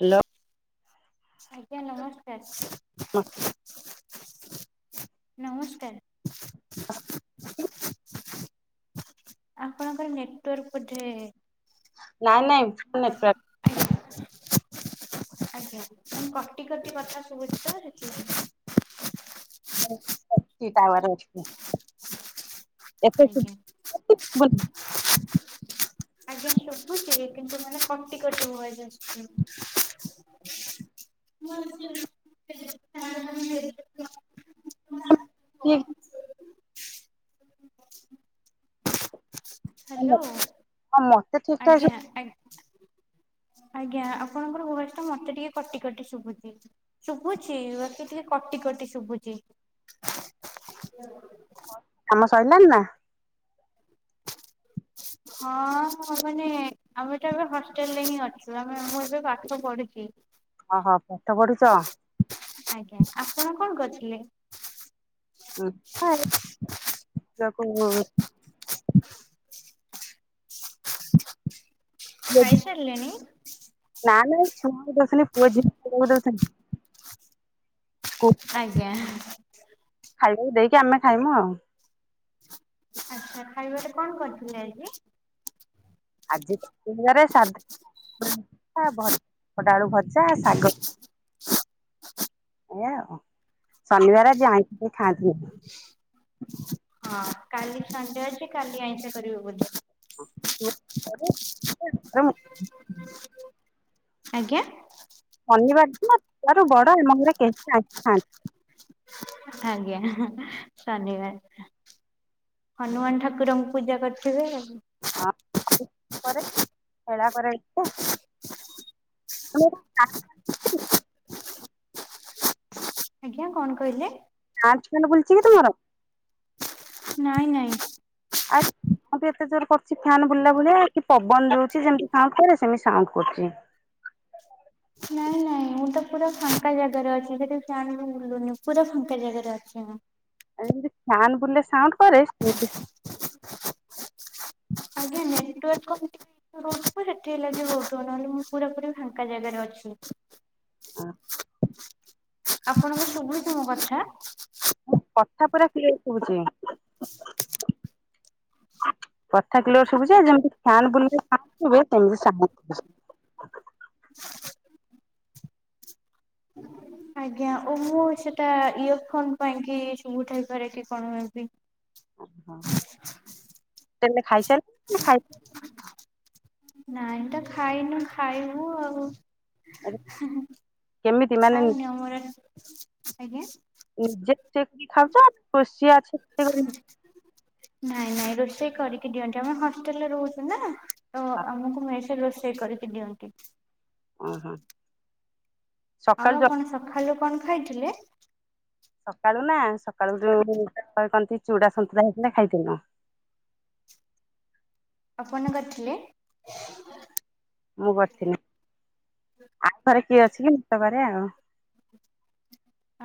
Hello ଆଜ୍ଞା ନମସ୍କାର। ନମସ୍କାର। [unintelligible] ଆପଣଙ୍କର ନେଟୱାର୍କ ବୋଧେ ନାଇଁ ନାଇଁ। ଆଃ। ନେଟୱାର୍କ ଆଜ୍ଞା କଟି କଟି କଥା ଶୁୁଭୁଛି ତ ସେଥିପାଇଁ। ଅଛି ଟାୱ ଅଛି ଏବେ ଆଜ୍ଞା [unintelligible] ଆଜ୍ଞା ସଭୁଛି କିନ୍ତୁ ମାନେ କଟି କଟି ଭଏସ୍ ଆସୁଛି। [unintelligible] କିଏ? ହ୍ୟାଲୋ ଠାକ ଶୁଭୁଛି ଆଜ୍ଞା ଆ ଆଜ୍ଞା ଆପଣଙ୍କର ଭଏସ ଟା ମତେ ଟିକେ କଟି କଟି ଶୁଭୁଛି। ଶୁଭୁଛି ମତେ ଟିକେ କଟି କଟି ଶୁଭୁଛି। କାମ ସରିଲାଣି ନା? ହଁ ମାନେ ଆମେ ତ ଏବେ ହଷ୍ଟେଲ ରେ ହିଁ ଅଛୁ। ଆମେ ମୁଁ ଏବେ ପାଠ ପଢୁଛି। ଓହୋ ପାଠ ପଢୁଛ‌। ଆଜ୍ଞା ଆପଣ କଣ କରିଥିଲେ? [unintelligible] ଖାଇସାରିଲେଣିି? ନା ନାଇ ଛୁଆଙ୍କୁ ଦଉଥିଲି ପୁଅ ଝିଅଙ୍କୁ ଖୋଇ ଦଉଥିଲି। ସ୍କୁଲ୍ ଆଜ୍ଞା ଖାଇବାକୁ ଦେଇକି ଆମେ ଖାଇମୁ ଆଉ। ଆଚ୍ଛା ଖାଇବାରେ କଣ କରିଥିଲେ ଆଜି? ଆଜିରେ [unintelligible] ସା ସାଗ ଏୟା ଆଉ ଶନିବାର ଯାଇକି ଖାଆନ୍ତିନି। ହଁ କାଲି ସଣ୍ଡେ ଅଛି କାଲି ଆଇଁଷ କରିବ ବୋଧେ? ହୁଁ ଉଁ। ଆଜ୍ଞା। ଶନିବାର ଦିନ ଇଆରୁ ବଡ ଏବଂଙ୍ଗ କେହି ଆସିଥାନ୍ତି। ଆଜ୍ଞା ଧନ୍ୟବାଦ। ହନୁମାନ ଠାକୁରଙ୍କୁ ପୂଜା କରିଥିବେ ଆଉ। ହଁ ପରେ ହେଳା କରାଯାଇଥାଏ। [unintelligible] ଆଜ୍ଞା। କଣ କହିଲେ? ଆଞ୍ଚନ ବୁଲଛି କି ତୁମର? ନାଇଁ ନାଇଁ। ଆକ୍ କଣ ପାଇଁ ଏତେ ଜୋରେ କରୁଚି ଫ୍ୟାନ୍ ବୁଲିଲା ଭଳିଆ କି ପବନ ରଉଛି ଯେମତି ସାଉଣ୍ଡ କରେ ସେମତି ସାଉଣ୍ଡ କରୁଛି। ନାଇଁ ନାଇଁ ମୁଁ ତ ପୁରା ଫାଙ୍କା ଜାଗାରେ ଅଛି ସେଠି ଫ୍ୟାନ ବି ବୁଲୁନି ପୁରା ଫାଙ୍କା ଜାଗାରେ ଅଛି ମୁଁ। ଯେମିତି ଫ୍ୟାନ ବୁଲିଲେ ସାଉଣ୍ଡ କରେ ସେମିତି ଆଜ୍ଞା ନେଟୱାର୍କ ଟି [unintelligible] ସେଠିକି ଲାଗିବ ବହୁ ନହେଲେ ମୁଁ ପୁରାପୁରା ଫାଙ୍କା ଜାଗାରେ ଅଛି। ଆପଣଙ୍କୁ ଶୁଭିଛି ମୋ କଥା? କଥା ପୁରା କ୍ଲିୟର ଶୁବୁଚି। କଥା କ୍ଲିୟର ଶୁଭୁଛି ଯେ ଯେମିତି ଫ୍ୟାନ ବୁଲିଲେ ସାଉଣ୍ଡ ହୁଏ। ସେମିତି ସାଉଣ୍ଡ ହଉଛି। [unintelligible] [unintelligible] ଆଜ୍ଞା ଓହୋ ମୁଁ ସେଟା ଇୟର ଫୋନ ପାଇଁ କି ଶୁଭୁ ଥାଇ ପାରେ କି କଣ ଏମିତି। ତେମେ ଖାଇସାରିଲଣି ନା ଖାଇ ନାଇ ତ ଖାଇନୁ ଖାଇବୁ ଆଉ। କେମିତି ମାନେ ଖାଇନୁ ଆମର ଆଜି ଆଜ୍ଞା। [unintelligible] ନାଇଁ ନାଇଁ ରୋଷେଇ କରିକି ଦିଅନ୍ତି। ଆମେ ହଷ୍ଟେଲରେ ରହୁଛୁ ନା- ତ ଆମକୁ ମେସରେ ରୋଷେଇ କରିକି ଦିଅନ୍ତି। ହଁ ହଁ। ଆଉ ଆପଣ ସଖାଳୁ କଣ ଖାଇଥିଲେ? ସକାଳୁ ନା ସକାଳୁ ଯୋଉ କହନ୍ତି ଚୁଡା ସନ୍ତୁଳା ହେଇଥିଲା ଖାଇଥିଲୁ। ଆପଣ କରିଥିଲେ? ମୁଁ କରିଥିଲି ଆଉଘରେ କିଏ ଅଛି କି ମୁଁ ତ କରେ ଆଉ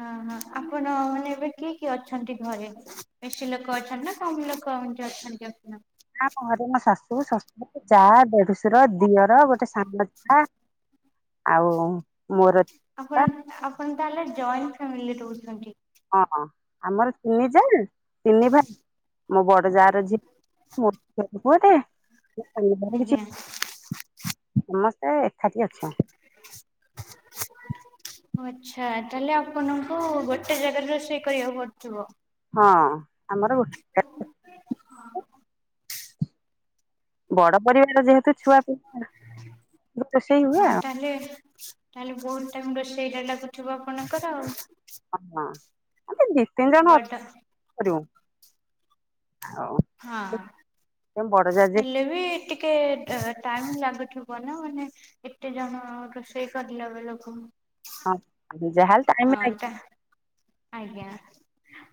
ଓହୋ ଆପଣ ମାନେ ଏବେ କିଏ କିଏ ଅଛନ୍ତି ଘରେ ବେଶୀ ଲୋକ ଅଛନ୍ତି ନା କମ ଲୋକ ଅଛନ୍ତି ଅଇନା। ଆମ ଘରେ ମୋ ଶାଶୁ ଶଶୁର ଯା ଦେଢଶୁର ଦିଅର ଗୋଟେ ସାନ ଯା ଆଉ ମୋର ଆପଣ ଆପଣ ତାହଲେ ଜଏଣ୍ଟ ଫ୍ୟାମିଲି ରହୁଛନ୍ତି। ହଁ ହଁ ଆମର ତିନି ଯା ତିନି ଭା ମୋ ବଡ ଯା ର ଝିଅ ଟେ ମୋର ପୁଅ ଟେ ମୋ ସାନ ଯାର ଆଜ୍ଞା କିଛି ସମସ୍ତେ ଏକାଠି ଅଛ [unintelligible] ଆଚ୍ଛା ତାହେଲେ ଆପଣଙ୍କୁ ଗୋଟେ ଜାଗାରେ ରୋଷେଇ କରିବାକୁ ପଡୁଥିବ। ହଁ, ଆମର ଗୋଟେ ଯାଗାରେ ବଡ ପରିବାର ଯେହେତୁ ଛୁଆ ପିଲା ରୋଷେଇ ହୁଏ। ଆଉ ତାହାଲେ ତାହେଲେ ବହୁତ ଟାଇମ ରୋଷେଇଟା ଲାଗୁଥିବ ଆପଣଙ୍କର ଆଉ ହଁ, ଆମେ ଦି ତିନି ଜଣ ଅଛୁ ଆଉ ବଡ଼ କଣ କରିବୁ ଆଉ ହଁ, ବଡ ଯା ଯିଏ ହେଲେ ବି ଟି ଟିକେ ଟାଇମ ଲାଗୁଥିବ ନା ମାନେ ଏତେ ଜଣ ରୋଷେଇ କରିଲା ବେଳକୁ ହଁ, ଜାହାଲେ ହଁ, ଟା ଆଜ୍ଞା।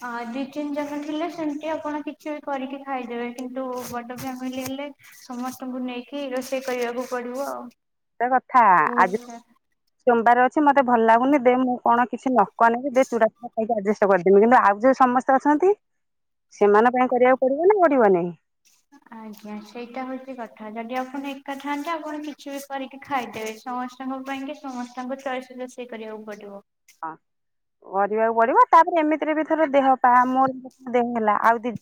ଅ ଦି ତିନି ଜଣ ଥିଲେ ସେମିତି ଆପଣ କିଛି ବି କରିକି ଖାଇଦେବେ କିନ୍ତୁ ବଡ ଫ୍ୟାମିଲି ହେଲେ। ସମସ୍ତଙ୍କୁ ନେଇକି ରୋଷେଇ କରିବାକୁ ପଡିବ ଆଉ ସେଟା କଥା ଆଜି ବହୁତ ସୋମବାର ଅଛି ମତେ ଭଲ ଲାଗୁନି ଦେ ମୁଁ କଣ କିଛି ନ କଣ ବନେଇ ବି ଦେ ଚୂଡ଼ା ଫୁଡା ଖାଇକି ଆଜେଷ୍ଟ କରିଦେବି କିନ୍ତୁ ଆଉ ଯୋଉ ସମସ୍ତେ ଅଛନ୍ତି। ସେମାନଙ୍କ ପାଇଁ କରିବାକୁ ପଡିବ ନା ପଡିବ ନାଇଁ? [unintelligible] ଆଜ୍ଞା ସେଇଟା ହଉଛି କଥା ଯଦି ଆପଣ ଏକା ଥାଆନ୍ତେ ଆପଣ କିଛି ବି କରିକି ଖାଇଦେବେ? ସମସ୍ତଙ୍କ ପାଇଁ କି ସମସ୍ତଙ୍କୁ ଚଏସ ରୋଷେଇ କରିବାକୁ ପଡିବ। ହଁ। କରିବାକୁ ପଡିବ ତାପରେ ଏମିତିରେ ବି ଥର ଦେହ ପା ମୋର ଦେହ ହେଲା ଆଉ ଦି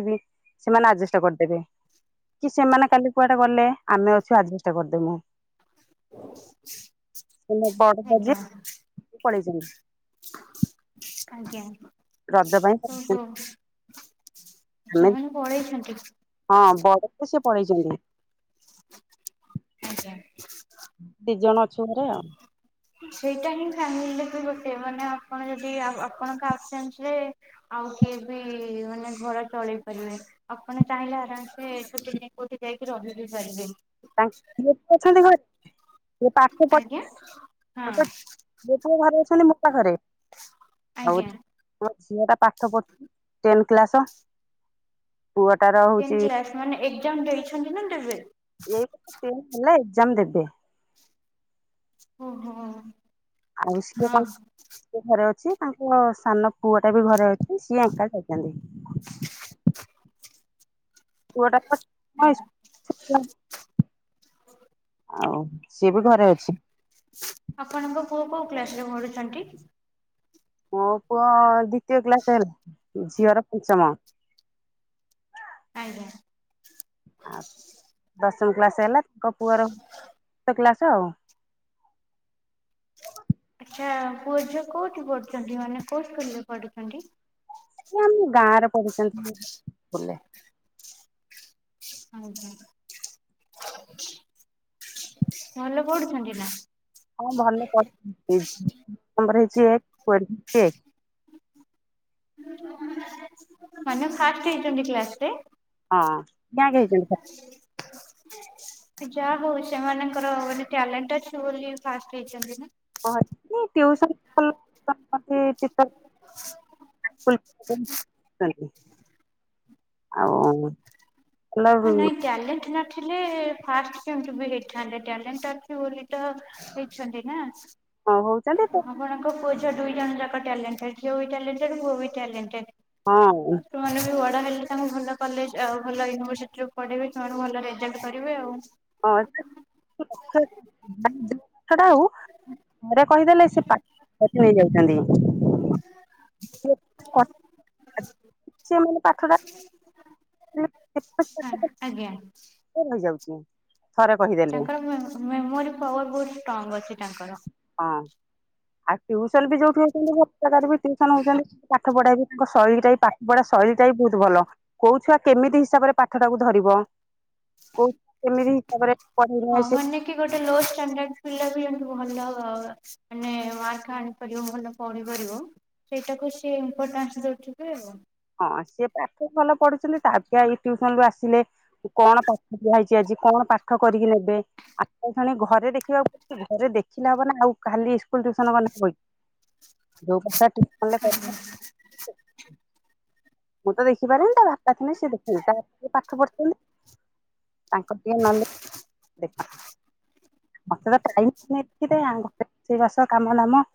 ଯିବି ସେମାନେ ଆଜେଷ୍ଟ କରିଦେବେ। କି ସେମାନେ କାଲି କୁଆଡେ ଗଲେ ଆମେ ଅଛୁ ଆଜେଷ୍ଟ କରିଦେବୁ। ଆଜ୍ଞା [inaudible] ଆଜ୍ଞା। ରଜ ପାଇଁ ଓହୋ ଆମେ ସେମାନେ ପଳେଇଛନ୍ତି। ହଁ ବଡ ତ ସେ ପଳେଇଚନ୍ତି। ଆଜ୍ଞା। ଦି ଜଣ ଅଛୁ ଘରେ ଆଉ। ସେଇଟା ହିଁ ଫ୍ୟାମିଲିରେ ବି ଗୋଟେ ମାନେ ଆପଣ ଯଦି ଆପଣଙ୍କ ଅପ୍ସେଣ୍ଡ୍ ରେ ଆଉ କିଏ ବି ମାନେ ଘର ଚଳେଇ ପାରିବେ। ଆପଣ ଚାହିଁଲେ ଆରାମସେ ଦି ଦିନ କୋଉଠି ଯାଇକି ରହି ବିି ପାରିବେ। ତାଙ୍କ ଗ୍ରୁପ୍ ରେ ଅଛନ୍ତି କହିଲେ ମୁ ତାଙ୍କୁ ପଠେ ଆଜ୍ଞା। [unintelligible] ହଁ ଦିପୁ ଘରେ ଅଛନ୍ତି ମୁ ତ ଘରେ ଆଉ ଆଜ୍ଞା ଚି ପୁଣି ସିଏ ତା ପା ପାଠ ପ ଟେନ୍ କ୍ଲାସ ପୁଅଟାର ଟେନ୍ ହଉଛି କ୍ଲାସ ମାନେ ଏକ୍ଜାମ ଦେଇଛନ୍ତି ନା ଦେବେ? ଏଇ ଟେନ ହେଲା ଏକ୍ଜାମ ଦେବେ। ଓ ହୋ। ଆଉ ସିଏ କନ ସିଏ ଘରେ ଅଛି ତାଙ୍କ ସାନ ପୁଅ ଟା ବି ଘରେ ଅଛି ସିଏ ଏଙ୍କା ଯାଇଚନ୍ତି। [inaudible] ପୁଅ ଟା ତ ହଁ ଇସ ଆଜ୍ଞା [unintelligible] ଆଉ ସିଏ ବି ଘରେ ଅଛି। ଆପଣଙ୍କ ପୁଅ କୋଉ କ୍ଲାସ ରେ ପଢୁଚନ୍ତି? ମୋ ପୁଅ ଦ୍ଵିତୀୟ କ୍ଲାସ ହେଲା ଝିଅର ପଞ୍ଚମ। ଆଜ୍ଞା। ଆଉ ଦଶମ କ୍ଲାସ ହେଲା ତାଙ୍କ ପୁଅର ଚତୁର୍ଥ କ୍ଲାସ ଆଉ। ଆଚ୍ଛା ପୁଅ ଝିଅ କୋଉଠି ପଢ଼ୁଚନ୍ତି, ମାନେ କୋଉ ସ୍କୁଲରେ ପଢ଼ୁଚନ୍ତି? ଏଇ ଆମ ଗାଁରେ ପଢୁୁଛନ୍ତି ସ୍କୁଲରେ। ଆଜ୍ଞା ଭଲ ପଢୁଛନ୍ତି ନା? ହଁ ଭଲ ପଢ଼ [unintelligible] ନମ୍ୱର୍ ହେଇଚି ଏକ ପୁଅର ବି ଏକ। ମାନେ ଫାଷ୍ଟ ହେଇଚନ୍ତି କ୍ଲାସ୍ ରେ? ହଁ ର୍ୟାଙ୍କ ହେଇଛନ୍ତି। [inaudible] ଯାହା ହଉ ସେମାନଙ୍କର ଗୋଟେ ଟ୍ୟାଲେଣ୍ଟ ଅଛି ବୋଲି ଫାଷ୍ଟ ହେଇଚନ୍ତି ନା। ଟିଉସନ୍ [unintelligible] [unintelligible] ଆଉ ଭଲ ହଁ ନାଇଁ ଟାଲେଣ୍ଟ ନ- ଥିଲେ ଫାଷ୍ଟ କେମତି ବି ହେଇଥାନ୍ତେ ଟ୍ୟାଲେଣ୍ଟ ଅଛି ବୋଲି ତ ହେଇଛନ୍ତି ନା। ହଁ ହଉଛନ୍ତି ତ। ଆପଣଙ୍କ ପୁଅ ଝିଅ ଦୁଇ ଜଣ ଯାକ ଟ୍ୟାଲେଣ୍ଟେଡ ଝିଅ ବି ଟ୍ୟାଲେଣ୍ଟେଡ ପୁଅ ବି ଟ୍ୟାଲେଣ୍ଟେଡ। ହଁ ଛୁଆ ମାନେ ବି ବଡ ହେଲେ ତାଙ୍କୁ ଭଲ କଲେଜ ଆଉ ଭଲ ୟୁନିଭର୍ସି ଟ୍ ରେ ପଢେଇବେ ସେମାନେ ଭଲ ରେଜଲ୍ଟ କରିବେ ଆଉ। ହଁ ସେ [unintelligible] ଯୋଉ କଥାଟା ଆଉ [inaudible] ଥରେ କହିଦେଲେ ସେ ପା [unintelligible] ନେଇଯାଉଚନ୍ତି। [inaudible] ସେମାନେ ପାଠଟା [unintelligible] ଆଜ୍ଞା। ସେ ନେଇଯାଉଚି। ତାଙ୍କର ମେ ମେମୋରି ପାୱାର ବହୁତ ଷ୍ଟ୍ରଙ୍ଗ ଅଛି ତାଙ୍କର। ହଁ ଆଉ ଟିଉସନ ବି ଯୋଉଠି ହଉଚନ୍ତି ଭଲ ଜାଗାରେ ବି ଟିଉସନ ହଉଚନ୍ତି। ପାଠ ପଢା ବି ତାଙ୍କ ଶୈଳୀଟା ବି ପାଠ ପଢା ଶୈଳୀଟା ବି ବହୁତ ଭଲ। କୋଉ ଛୁଆ କେମିତି ହିସାବରେ ପାଠଟାକୁ ଧରିବ କୋଉ ଛୁଆ କେମିତି ହିସାବରେ ହଁ ପଢିଲେ ସେ ମାନେ କି ଗୋଟେ ଲୋ ଷ୍ଟାଣ୍ଡାର୍ଡ ପିଲା ବି ଯେମିତି ଭଲ ମାନେ ମାର୍କ ଆଣି ତ ଯିଏ ଭଲ ପଢିପାରିବ ସେଇଟାକୁ ସିଏ ଇମ୍ପୋଟାନ୍ସ ଦଉଥିବେ ଆଉ। ହଁ ସିଏ ପାଠ ଭଲ ପଢୁଥିଲେ ତା ଛୁଆ ଏଇ ଟିଉସନରୁୁ ଆସିଲେ। କଣ ପାଠ ଦିଆ ହେଇଛି ଆଜି କଣ ପାଠ କରିକି ନେବେ। ଆସିଲାକ୍ଷଣି ଘରେ ଦେଖିବାକୁ ପଡୁଚି ଘରେ ଦେଖିଲେ ହବ ନା ଆଉ ଖାଲି ଇସ୍କୁଲ ଟିୟୁସନ ଗଲେ ହବକି। ଯୋଉ ପଟଟା ଆଜ୍ଞା [unintelligible] ମୁଁ ତ ଦେଖିପାରେନି ତା ବାପା ଥିନେ ସେ ଦେଖିବେ ତାପରେ ପାଠ ପଢୁଛନ୍ତି। ତାଙ୍କ ଟିଏ ନଲେ [unintelligible] ମତେ ତ ଟାଇମ [unintelligible] ରୋଷେଇବାସ କାମ ଦାମ।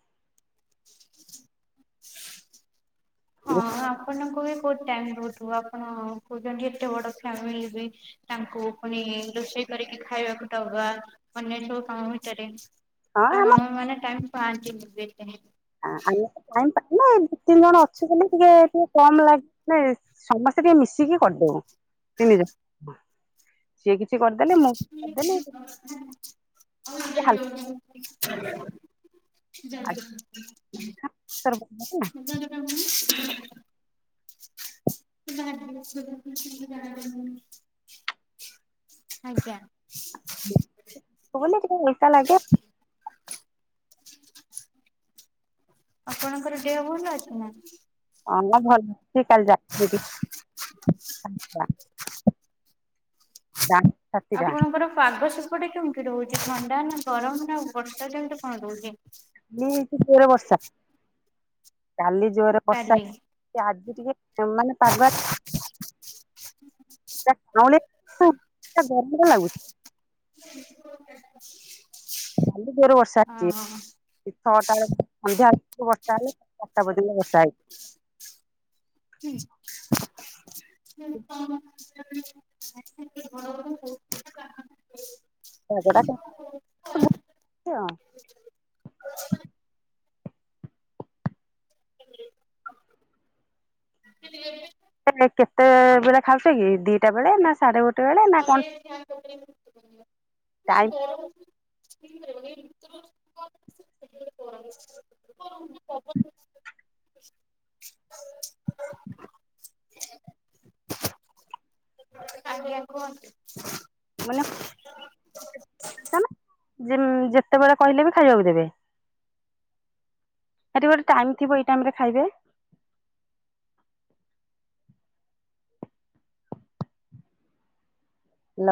ହଁ ଆପଣଙ୍କୁ ବି ବହୁତ ଟାଇମ ଦୋଉଥିବ ଆପଣ କହୁଛନ୍ତି ଏତେ ବଡ ଫ୍ୟାମିଲ ବି। ତାଙ୍କୁ ପୁଣି ରୋଷେଇ କରିକି ଖାଇବାକୁ ଦବା ଅନ୍ୟ ସବୁ କାମ ଭିତରେ। ତ ଆମ ମାମା ମାନେ ଟାଇମ ପାନ୍ତିନି [unintelligible] ଆମେତ ଟାଇମ ପାଉନା ଏ ଦି ତିନି ଜଣ ଅଛୁ ବୋଲି ଟିକେ ଟିକେ କମ ଲାଗେ। ସମସ୍ତେ ଟିକେ ମିଶିକି କରିଦୋଉ ତିନି ଜଣ ସିଏ କିଛି କରିଦି ଟିକେ ହାଲକା [unintelligible] ଆଚାର ପକେଇଦେଲି ନା [unintelligible] [unintelligible] କିଛି ଜଣାପଡିବନି। ଆଜ୍ଞା। [unintelligible] ଟିକେ ଓଲଟା ଲାଗେ। ଆପଣଙ୍କର ଦେହ ଭଲ ଅଛି ନା। ହ ଭଲ ଅଛି କାଲି ଯାଇଥିଲି [unintelligible] ରାତିଟା ଆପଣଙ୍କର ପାଗ ସ ହେପଟେ କେମିତି ରହୁଛି ଥଣ୍ଡା ନା ଗରମ ନା ବର୍ଷା କେମିତି କଣ ରହୁଛି। [unintelligible] ହେଇଛି ଜୋର ବର୍ଷା କାଲି ଜୋର ବର୍ଷା କାଲି ଆଜି ଟିକେ ମାନେ ପାଗ ଆ [unintelligible] [unintelligible] କାଲି ଜୋର ବର୍ଷା ହେଇଛି। ହଁ। ଛଅଟା ବଳେ ସନ୍ଧ୍ୟା [unintelligible] ବର୍ଷା ହେଲେ ଚାରିଟା ପର୍ଯ୍ୟନ୍ତ ବର୍ଷା ହେଇଛି। [unintelligible] ମେଘଟା [unintelligible] [unintelligible] [unintelligible] କେତେବେଳେ ଖାଉଛ କି ଦିଟା ବେଳେ ନା ସାଢେ ଗୋ ନହେଲେ ଫ୳୲ନ କତିରେ ଟାଇମ [unintelligible] ନା ଗରମ [unintelligible] ଆଜ୍ଞା। ରୁହନ୍ତୁ। ମାନେ [unintelligible] ଯେମ ଯେତେବେଳେ କହିଲେ ବି ଖାଇବାକୁ ଦେବେ। ସେଟି ଗୋଟେ ଟାଇମ ଥିବ ଏଇ ଟାଇମ ରେ ଖାଇବେ। ନ